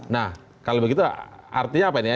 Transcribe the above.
nah kalau begitu artinya apa ini ya